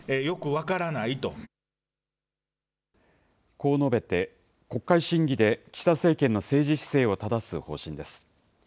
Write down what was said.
こう述べて、国会審議で岸田政権の政治姿勢をただす方針です。